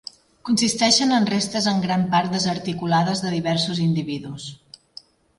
Consisteixen en restes en gran part desarticulades de diversos individus.